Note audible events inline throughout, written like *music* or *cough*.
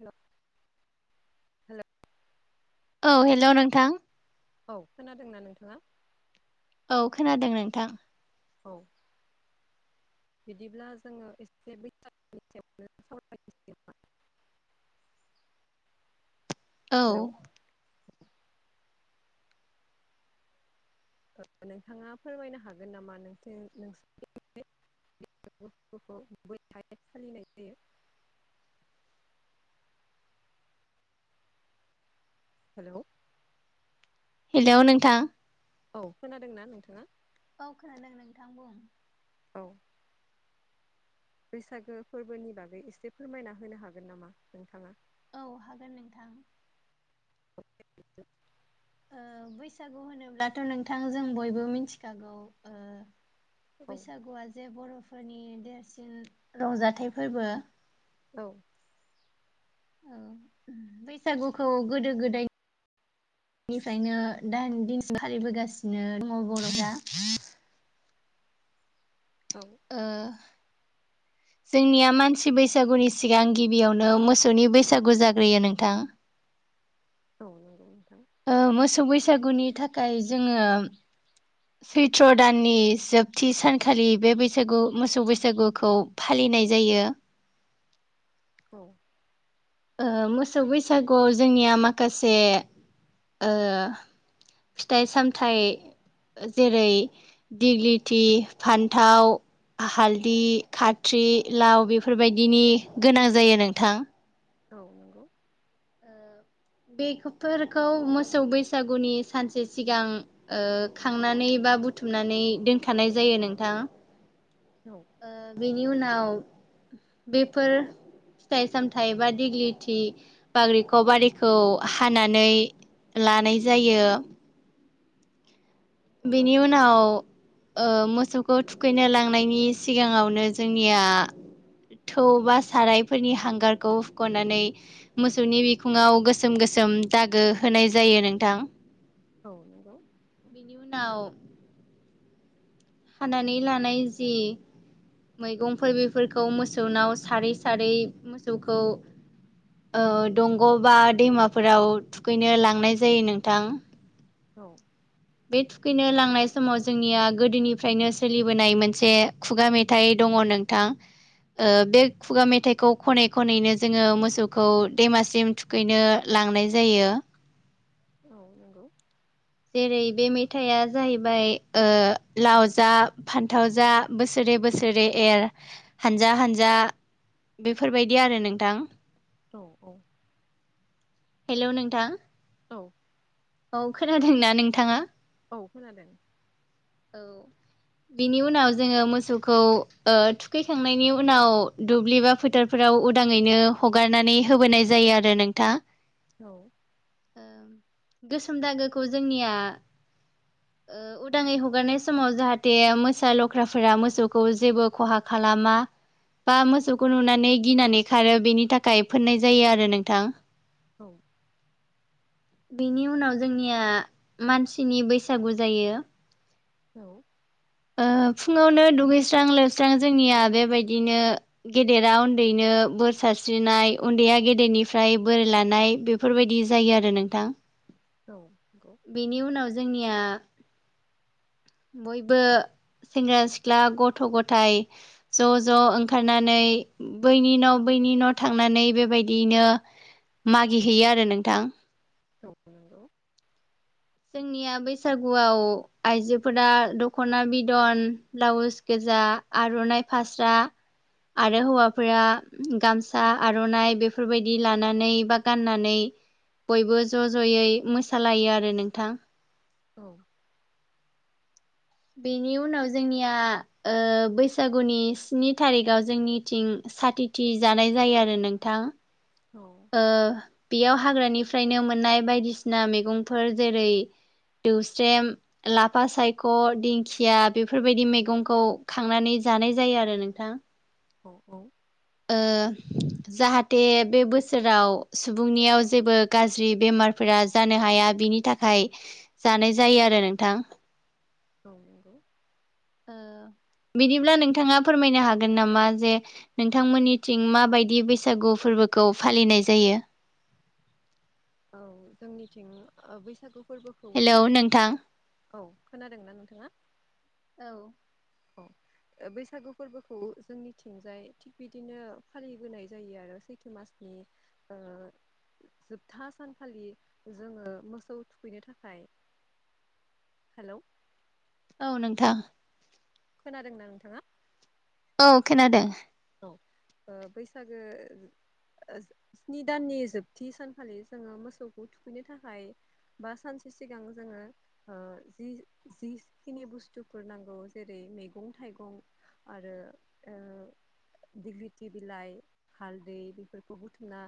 हेल' hello औ hello नोंथां। औ खोनादोंना नोंथाङा? औ खोनादों नोंथां। औ बिदिब्ला जोङो एसे बैसागोनि सायावनो सावरायनोसै *inaudible* औ हेलौ नोंथाङा फोरमायनो हागोन नामा नों नोंसोरनि *unintelligible* फालिनाय जायो। हेलौ हेलौ नोंथां औ खोनादोंना नोंथाङा? औ खोनादों नोंथां बुं। औ बैसागो फोरबोनि बागै एसे फोरमायना होनो हागोन नामा नोंथाङा? औ हागोन नोंथां। *unintelligible* बैसागु होनोब्लाथ' नोंथां जों बयबो मिथिखागौ। बैसागुआ जे बर'फोरनि देरसिन रंजाथाइ फोरबो औ औ बैसागुखौ गोदो गोदाय निफ्रायनो दान दिनसिम फालिबोगासिनो दङ बर'फ्रा औ ओ *inaudible* जोंनिया मानसि बैसागुनि सिगां गिबियावनो मोसौनि बैसागु जाग्रोयो नोंथां। औ मोसौ बैसागुनि थाखाय जोङो सैत्र दाननि जोबथि सानखालि बे बैसागु मोसौ बैसागुखौ फालि नाय जायो। औ मोसौ बैसागुआव जोंनिया माखासे फिथाइ सामथाइ जेरै दिग्लिथि फान्थाव हालदि खथ्रि लाव बेफोरबायदिनि गोनां जायो नोंथां। औ नंगौ बेफोरखौ मोसौ बैसागुनि सानसे सिगां खांनानै बा बुथुमनानै दोनथानाय जायो नोंथां। औ बेनि उनाव बेफोर फिथाइ सामथायाइ बा दिेग्लिथि बाग्रिखौ बारिखौ हानानै लानाय जायो। औ बिनि उनाव मोसौखौ थुखैनो लांनायनि सिगाङावनो जोंनिया थौ बा सारायफोरनि हांगारखौ हुख'नानै मोसौनि बिखुङाव गोसोम गोसोम जोम दागो होनाय जायो नोंथां। औ नंगौ बिनि उनाव हानानै लानाय जि मैगंफोर बेफोरखौ मोसौनाव सारै सारै मोसौखौ औ दंग' बा दैमाफोराव थुखैनो लांनाय जायो नोंथां। औ बे थुखैनो लांनाय समाव जोंनिया गोदोनिफ्रायनो सोलिबोनाय मोनसे खुगा मेथाइ दं। दङ नोंथां। बे खुगा मेथाइखौ खनै खनैनो जोङो मोसौखौ दैमासिम थुखैनो ला लांनाय जायो। औ नंगौ जेरै बे मेथायाइया जाहैबाय लाव जा फान्थाव जा बोसोरै बोसोरै एर हानजा हानजा बेफोरबायदि आरो नोंथां औ औ हेलौ नोंथां औ औ खोनादोंना नोंथाङा? औ खोनादों। औ *unintelligible* बिनि उनाव जोङो मोसौखौ थुखैखांनायनि उनाव दुब्लि बा फोथारफोराव उदाङैनो हगारनानै होबोनाय जायो आरो नोंथाङा औ गोसोम दागोखौ जोंनिया उदाङै ह गारनाय समाव जाहाथे मोसा लख्राफोरा मोसौखौ जेबो खहा खालामा। बा मोसौखौ नुनानै गिनानै खारो बेनि थाखाय फोननाय जायो आरो नोंथां। औ बेनि उनाव जोंनिया मानसिनि बैसागु जायो। औ ओ फुङावनो दुगैस्रां लोबस्रां जोंनिया बेबायदिनो गेदेरा उन्दैनो बोर सारस्रिनाय उन्दैया गेदेरनिफ्राय बोरै लानाय बेफोरबायदि जायो आरो नोंथां। औ नंगौ बेनि उनाव जोंनिया बयबो सेंग्रा सिख्ला गथ' गथाय ज' ज' ओंखारनानै बैनि उनाव इनि न' न' थांनानै बेबायदिनो मागि हैैयो आरो नोंथां। दौ जोंनिया बैसागुआव आइजोफोरा दख'ना बिदन ब्लाउस गोजान गोजा आर'नाइ फास्रा आरो हौवाफोरा गामसा आर'नाइ बेफोरबायदि लानानै बा गाननानै बयबो ज' ज'यै मोसालायो आरो नोंथां। औ बेनि उनाव जोंनिया बैसागुनि स्नि थारिखाव जोंनिथिं साथिथि जानाय जायो आरो नोंथां। औ बेयाव हाग्रानिफ्रायनो मोननाय बायदिसिना मैगंफोर जेरै दौस्रेम लाफा सायख' दिंखिया बेफोरबायदि मैगंखौ खांनानै जानाय जायो आरो नोंथां। औ औ जाहाथे बे बोसोराव सुबुंनियाव जेबो गाज्रि बेमार बेफोर जानो हाया बिनि थाखाय जानाय जायो आरो नोंथां। ग नांगौ ओ बिदिब्ला नोंथाङा फोरमायनो हागोन नामा जे नोंथांमोननिथिं माबायदि बैसागु फोरबो फोरबोखौ फालिनाय जायो। औ जोंनिथिं बैसागु फोरबोखौ हेलौ थिग नोंथां बिदिनो औ खोनादोंना नोंथाङा? औ औ बैसागु फोरबोखौ जोंनिथिंजाय थिग बिदिनो फालिबोनाय जायो आरो सैथो मास *unintelligible* जोबथा सानखालि जोङो मोसौ थुखैनो थाखाय। हेलौ औ नोंथां खोनादोंना नोंथाङा? औ खोनादों। बैसागो स्नि दाननि जोबथि सानखालि जोङो मोसौखौ थुखैनो थाखाय बा सानसे सिगां जोङो जि जिखिनि बुस्थुफोर नांगौ जेरै मैगं थाइगं आरो दिग्लिथि बिलाइ हालदै बेफोरखौ बुथुमना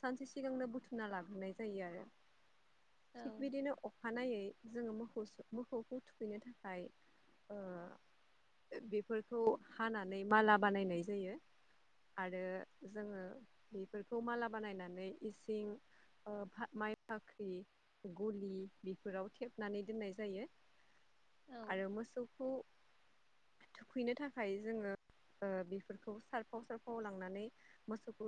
सानसे सिगांनो बुथुमना लाब्रोनाय जायो आरो औ थिग बिदिनो अखानायै जोङो मोौ मोसौखौ थुखैनो थाखाय बेफोरखौ हानानै माला बानायनाय जायो। आरो जोङो बेफोरखौ माला बानायनानै इसिं माइ फाख्रि गलि बेफोराव थेबनानै दोननाय जायो औ आरो मोसौखौ थुखैनो थाखाय जोङो बेफोरखौ सारफाव सारफाव लांनानै मोसौखौ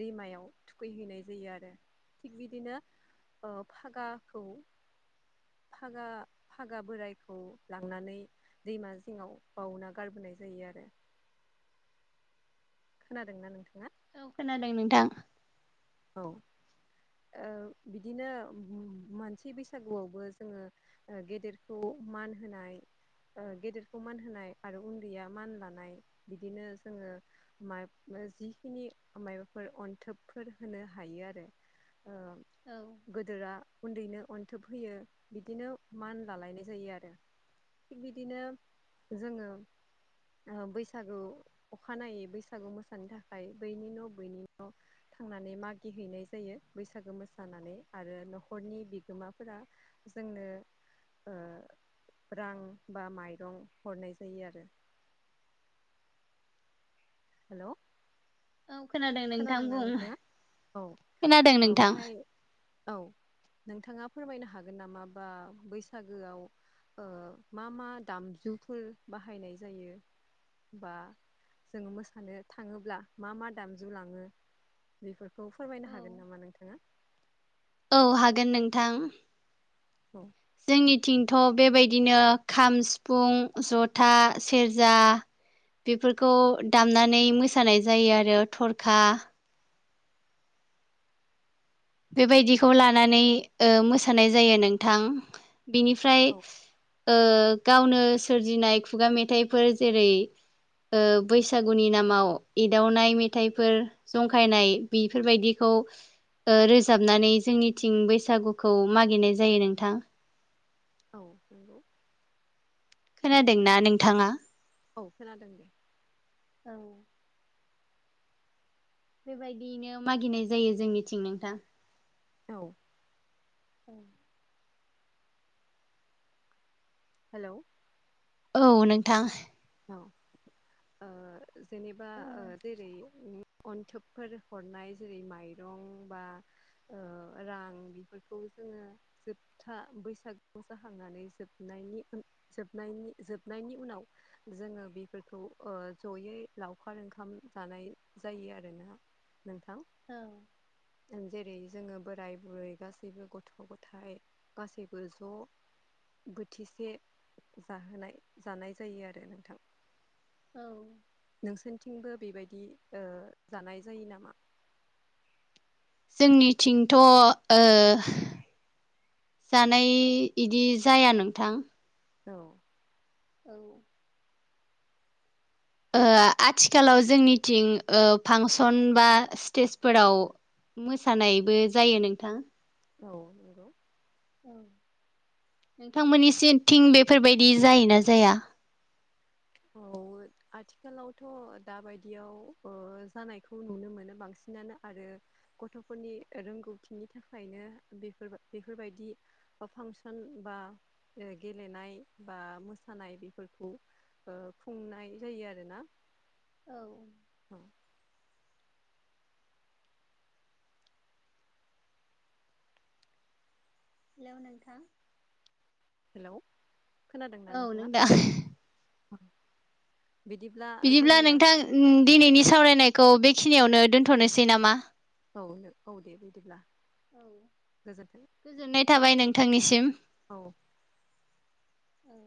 दैमायाव थुखैहैनाय जायो थिग बिदिनो फागाखौ फागा फागा बोरायखौ लांनानै दैमा जिङाव बाावना गारबोनाय जायो आरो द खोनादों न नोंथाङा औ खोनादों नोंथां औ आ बिदिनो मोनसि बैसागुआवबो जोङो गेदेरखौ मान होनाय गेदेरखौ मान होनाय आरो उन्दैया मान लानाय बिदिनो जोङो मा जिखिनि माबाफोर अन्थोबफोर होनो हायो आरो औ गोदोरा उन्दैनो अन्थोब होयो बिदिनो मान लालायनाय जायो आरो थिग बिदिनो जोङो बैसागु अखानायै बैसागु मोसानो थाखाय बैनि न' बैनि न' थांनानै मागि हैैनाय जायो बैसागो मोसानानै आरो न'खरनि बिगोमाफोरा जों जोंनो ओ रां बा माइरं हरनाय जायो आरो। हेल' औ खोनादों नोंथां बुं। औ खोनादों नोंथां। ओमफ्राय औ नोंथाङा फोरमायनो हागोन नामा बा बैसागोआव मा मा दामजुफोर बाहायनाय जायो? बा जोङो मोसानो थाङोब्ला मा मा दाम जु लाङो बेफोरखौ फोरमायनो हागोन नामा नोंथाङा? औ हागोन नोंथां। औ जोंनिथिंथ' बेबायदिनो खाम सिफुं जथा सेरजा बेफोरखौ दामनानै मोसानाय जायो आरो थरखा बेबायदिखौ लानानै ओ मोसानाय जायो नोंथां। बिनिफ्राय औ ओ गावनो सोरजिनाय खुगा मेथाइफोर जेरै ओ बैसागुनि नामाव एदावनाय मेथाइफोर जंखायनाय बिफोर बायदिखौ ओ रोजाबनानै जोंनिथिं बैसागुखौ मागिनाय जायो नोंथां। औ नंगौ। खोनादोंना नोंथाङा? औ खोनादों दे। औ बेबायदियैनो मागिनाय जायो जोंनिथिं नोंथां। औ औ हेलौ औ नोंथां। औ ओ जेनेबा ओ जेरै अन्थोबफोर हरनाय जेरै माइरं बा ओ रां बिफोरखौ जोङो जोबथा बैसागु मैसा खांनानै जोबना जोबनायनि उन जोबनायनि जोबनायनि उनाव जोङो बेफोरखौ ओ ज'यै लावखार ओंखाम जानाय जायो आरोना। नोंथां औ ओं जेरै जोङो बोराय बुरै गासैबो गथ' गथाइ गासैबो ज' बोथिसे जाहोनाय जानाय जायो आरो नोंथां। औ। नोंसोरथिंबो बेबायदि ओ जानाय जायो नामा? जोंनिथिंथ' ओ जानाय इदि जाया नोंथां। औ औ ओ आथिखालाव जोंनिथिं ओ फांसन बा स्टेजफोराव मोसानायबो जायो नोंथां। औ नोंगौ। औ नोंथांमोननि सिंथिं बेफोर बायदि जायोना जाया? औ आथिखालावथ' दा बायदियाव ओ जानायखौ नुनो मोनो बांसिनानो आरो गथ'फोरनि रोंगौथिनि थाखायनो बेफोर बेफोर बायदि ओ फांसन बा ओ गेलेनाय बा मोसानाय बेफोरखौ। ओ खुंनाय जायो आरोना। औ हेलेव नाेंथां। हेलौ खोनादोंना औ नों नोंथाङा? दा बिदिब्ला बिदिब्ला जोंनिया नोंथां दिनैनि सावरायनायखौ बेखिनियावनो दोन्थ'नोसै नामा? औनो औ दे बिदिब्ला औ गोजोन्थों गोजोननाय थाबाय नोंथांनिसिम। औ औ